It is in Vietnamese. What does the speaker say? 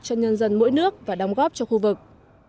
cho nhân dân mỗi nước và đóng góp cho khu vực